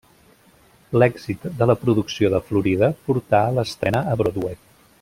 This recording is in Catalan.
L'èxit de la producció de Florida portà l'estrena a Broadway.